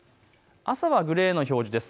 朝はグレーの表示です。